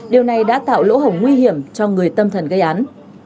điều này đã tạo lỗ hổng nguy hiểm cho người tâm thần gây án